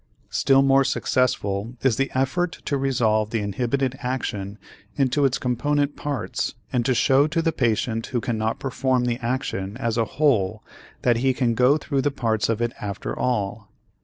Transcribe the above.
Still more successful is the effort to resolve the inhibited action into its component parts and to show to the patient who cannot perform the action as a whole that he can go through the parts of it after all.